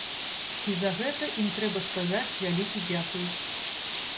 І за гэта ім трэба сказаць вялікі дзякуй.